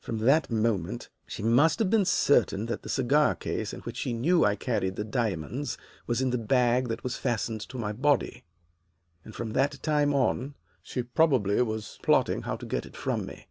"From that moment she must have been certain that the cigar case, in which she knew I carried the diamonds, was in the bag that was fastened to my body, and from that time on she probably was plotting how to get it from me.